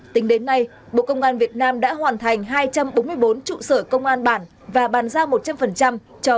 tính đến nay bộ công an việt nam đã hoàn thành hai trăm bốn mươi bốn trụ sở công an bản và bàn giao một trăm linh